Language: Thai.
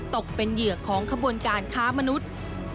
ตกเป็นเหยื่อของขบวนการค้ามนุษย์